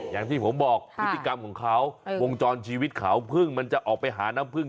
อย่างที่ผมบอกพฤติกรรมของเขาวงจรชีวิตเขาเพิ่งมันจะออกไปหาน้ำพึ่ง